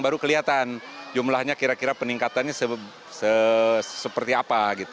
baru kelihatan jumlahnya kira kira peningkatannya seperti apa